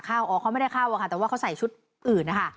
อ๋อเขาไม่ได้เข้าอะค่ะแต่ว่าเขาใส่ชุดอื่นนะคะ